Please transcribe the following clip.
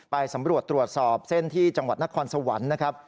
ไปสำรวจตรวจสอบเส้นที่จังหวัดนครสวรรค์นะครับ